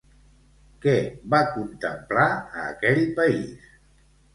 Què va contemplar a aquell país?